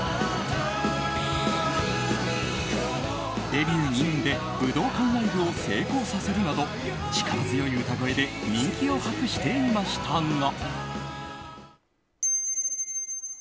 デビュー２年で武道館ライブを成功させるなど力強い歌声で人気を博していましたが。